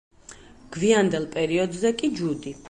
გვიანდელ პერიოდზე კი ჯუდი.